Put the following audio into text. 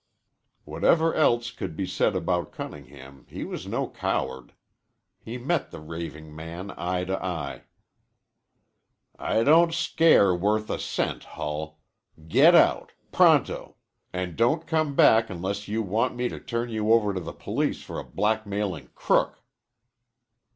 Whatever else could be said about Cunningham he was no coward. He met the raving man eye to eye. "I don't scare worth a cent, Hull. Get out. Pronto. And don't come back unless you want me to turn you over to the police for a blackmailing crook."